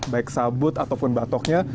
baik sabut ataupun batoknya